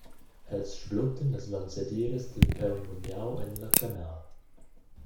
Els sbluttan las vanzadiras dil paun lumiau en la canal.